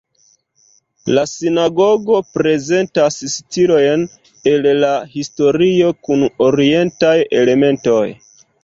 La sinagogo prezentas stilojn el la historio kun orientaj elementoj.